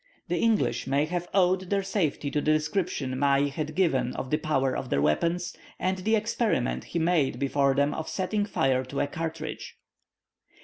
The English may have owed their safety to the description Mai had given of the power of their weapons, and the experiment he made before them of setting fire to a cartridge.